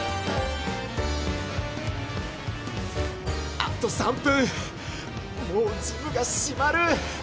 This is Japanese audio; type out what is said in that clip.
あと３分もうジムが閉まる！